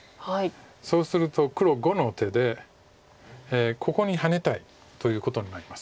そうすると黒⑤の手でここにハネたいということになります。